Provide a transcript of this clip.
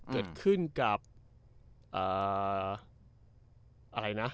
เกิดขึ้นกับอะไรนะ